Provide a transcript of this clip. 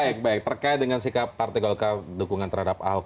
baik baik terkait dengan sikap partai golkar dukungan terhadap ahok